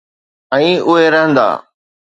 ۽ اھي رھندا